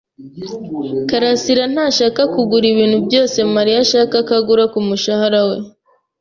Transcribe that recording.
karasira ntashobora kugura ibintu byose Mariya ashaka ko agura kumushahara we.